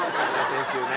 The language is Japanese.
先週ね。